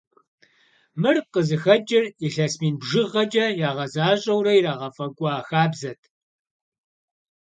Мыр къызыхэкӀыр илъэс мин бжыгъэкӀэ ягъэзащӀэурэ ирагъэфӀэкӀуа хабзэт.